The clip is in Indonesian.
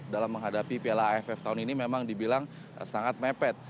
dalam menghadapi piala aff tahun ini memang dibilang sangat mepet